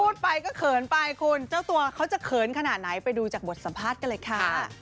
พูดไปก็เขินไปคุณเจ้าตัวเขาจะเขินขนาดไหนไปดูจากบทสัมภาษณ์กันเลยค่ะ